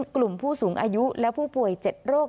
กลุ่มผู้สูงอายุและผู้ป่วย๗โรค